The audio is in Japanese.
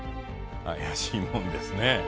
怪しいもんですね。